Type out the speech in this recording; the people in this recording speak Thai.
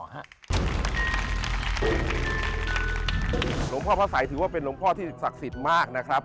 หลวงพ่อพระสัยถือว่าเป็นหลวงพ่อที่ศักดิ์สิทธิ์มากนะครับ